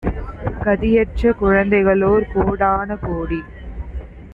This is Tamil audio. கதியற்ற குழந்தைகளோர் கோடான கோடி